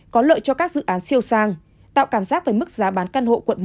có lợi cho các dự án siêu sang tạo cảm giác với mức giá bán căn hộ quận một